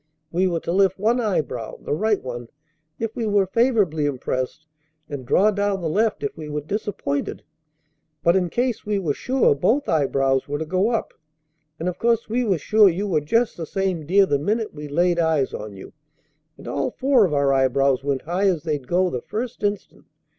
We were to lift one eyebrow, the right one, if we were favorably impressed, and draw down the left if we were disappointed. But in case we were sure both eyebrows were to go up. And of course we were sure you were just the same dear the minute we laid eyes on you, and all four of our eyebrows went high as they'd go the first instant.